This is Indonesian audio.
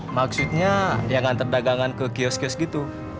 maksudnya ya ngantar dagangan ke kios kios gitu